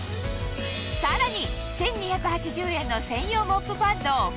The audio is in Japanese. さらに！